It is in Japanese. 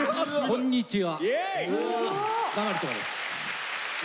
こんにちは。